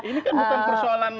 ini kan bukan persoalan